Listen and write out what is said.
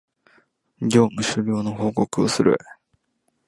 業務終了の報告をする